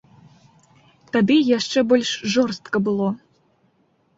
Тады яшчэ больш жорстка было.